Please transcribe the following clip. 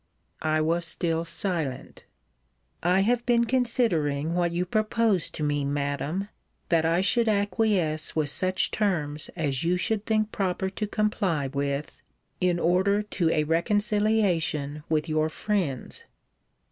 I was still silent. I have been considering what you proposed to me, Madam, that I should acquiesce with such terms as you should think proper to comply with, in order to a reconciliation with your friends.